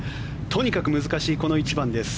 とにかく難しいこの１番です。